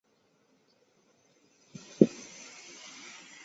枯立木形成于树木死亡一定时间后。